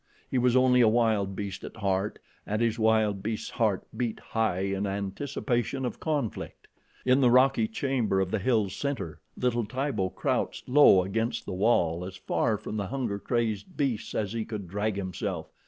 He was only a wild beast at heart and his wild beast's heart beat high in anticipation of conflict. In the rocky chamber of the hill's center, little Tibo crouched low against the wall as far from the hunger crazed beasts as he could drag himself.